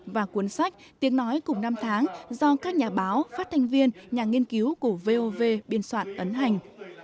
và cuốn sách tiếng nói cùng năm tháng do các nhà báo phát thanh viên nhà nghiên cứu của vov biên soạn ấn hành